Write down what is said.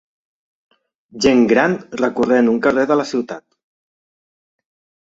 Gent gran recorrent un carrer de la ciutat.